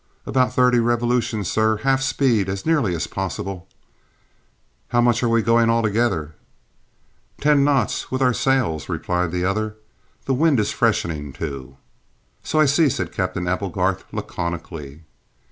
"About thirty revolutions, sir; half speed, as nearly as possible." "How much are we going altogether?" "Ten knots, with our sails," replied the other. "The wind is freshening, too." "So I see," said Captain Applegarth laconically.